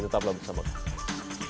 tetaplah bersama kami